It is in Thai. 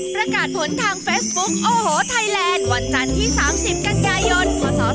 ประกาศผลทางเฟซบุ๊คโอ้โหไทยแลนด์วันจันทร์ที่๓๐กันยายนพศ๒๕๖